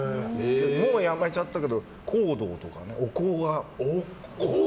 もうやめちゃったけど香道とかね。